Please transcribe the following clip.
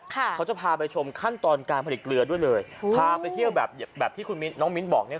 เขาจะพาไปชมขั้นตอนการผลิตเกลือด้วยเลยพาไปเที่ยวแบบแบบที่คุณมิ้นน้องมิ้นบอกเนี้ย